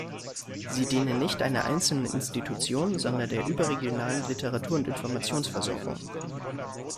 Sie dienen nicht einer einzelnen Institution, sondern der überregionalen Literatur- und Informationsversorgung.